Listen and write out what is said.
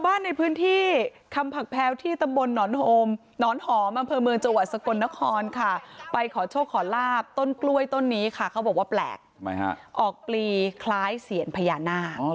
อันนี้เป็นน้ำตาเทียนสีเหลือง